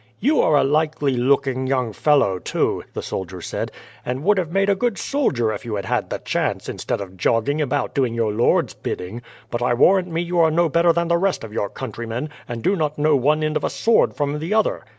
"You are a likely looking young fellow too," the soldier said, "and would have made a good soldier if you had had the chance, instead of jogging about doing your lord's bidding; but I warrant me you are no better than the rest of your countrymen, and do not know one end of a sword from the other."